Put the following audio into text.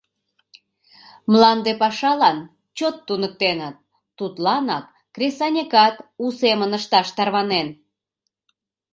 Мланде пашалан чот туныктеныт, тудланак кресаньыкат у семын ышташ тарванен.